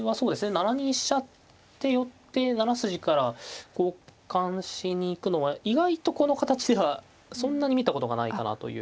７二飛車って寄って７筋から交換しに行くのは意外とこの形ではそんなに見たことがないかなという。